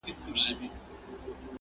امر دی د پاک یزدان ګوره چي لا څه کیږي!.